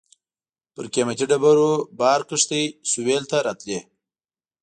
پر قیمتي ډبرو بار کښتۍ سېویل ته راتلې.